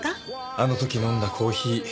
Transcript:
あの時飲んだコーヒー